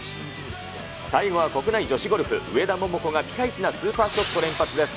最後は国内女子ゴルフ、上田桃子がピカイチなスーパーショット連発です。